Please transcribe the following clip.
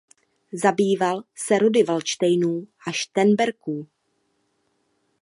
Zabýval se rody Valdštejnů a Šternberků.